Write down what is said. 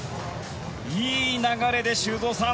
いい流れで修造さん